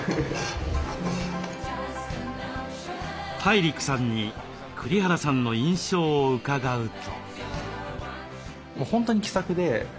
ＴＡＩＲＩＫさんに栗原さんの印象を伺うと。